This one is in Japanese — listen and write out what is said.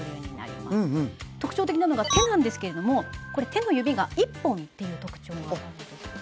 特徴的なのが手なんですけれどもこれ手の指が１本っていう特徴があるんです。